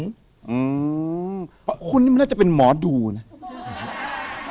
เพราะคุณนี่มันน่าจะเป็นหมอดูนะ